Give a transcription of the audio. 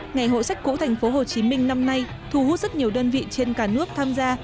ngày hội sách cũ tp hcm năm nay thu hút rất nhiều đơn vị trên cả nước tham gia